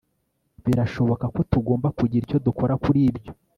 Birashoboka ko tugomba kugira icyo dukora kuri ibyo